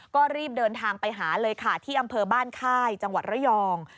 ก็รีบเดินทางไปหาเลยค่ะที่อำเภอบ้านค่ายจังหวัดระยอง